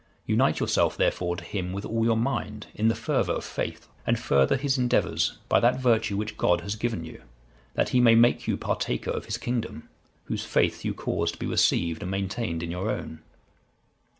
Unite yourself, therefore, to him with all your mind, in the fervour of faith, and further his endeavours, by that virtue which God has given you, that He may make you partaker of His kingdom, Whose faith you cause to be received and maintained in your own.